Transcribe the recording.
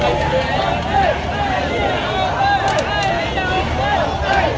เฮียเฮียเฮีย